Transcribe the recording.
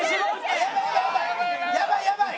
やばいやばい！